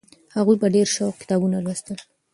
هغوی په ډېر سوق کتابونه لوستل.